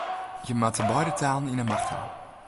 Je moatte beide talen yn 'e macht ha.